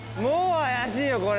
もう怪しいよ